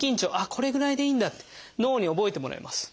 これぐらいでいいんだって脳に覚えてもらいます。